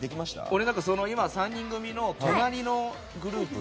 俺は３人組の隣のグループ。